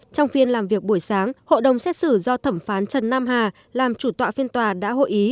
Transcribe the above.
trong phiên làm việc buổi sáng hội đồng xét xử do thẩm phán trần nam hà làm chủ tọa phiên tòa đã hội ý